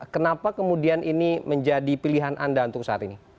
kenapa kemudian ini menjadi pilihan anda untuk saat ini